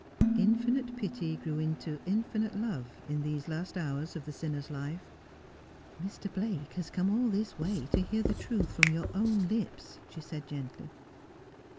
Infinite pity grew into infinite love in these last hours of the sinner's life. ' Mr. 'Blake has come all this way to hear the truth from your own lips,' she said gently.